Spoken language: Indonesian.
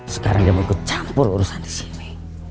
sekarang dia mau ikut campur urusan di sini